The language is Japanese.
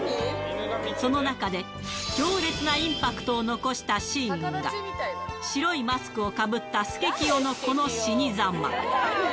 その中で、強烈なインパクトを残したシーンが、白いマスクをかぶったスケキヨのこの死にざま。